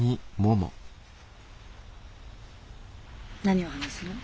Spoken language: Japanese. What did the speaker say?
何を話すの？